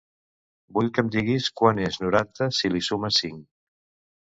Vull que em diguis quant és noranta si li sumes cinc.